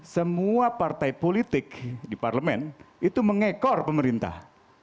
semua partai politik di parlemen itu mengekor pemerintah